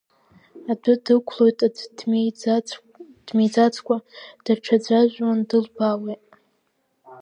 Адәы дықәлоит аӡә дмиӡацкәа, даҽаӡә ажәҩан дылбаауеит…